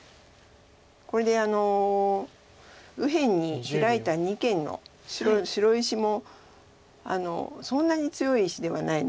これで右辺にヒラいた二間の白石もそんなに強い石ではないので。